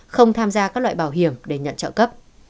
không tham gia các loại bảo hiểm để nhận trợ cấp